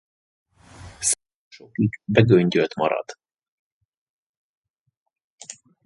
Széle sokig begöngyölt marad.